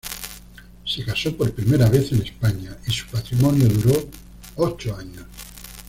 Se casó por primera vez en España, y su matrimonio duró ocho años.